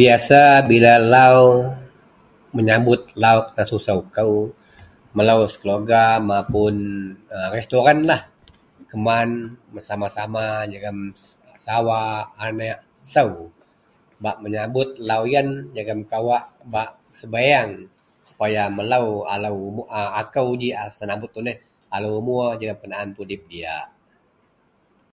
Biasa bila lau menyambut lau kenasusou kou, melou sekeluwarga mapun restorenlah keman bersama-sama jegem sawa, aneak, sou bak menyambut lau yen. Jegem kawak bak sebieng sepaya melou alou akou ji a senambut tuneh alou umur jegem kenaan tudip diyak.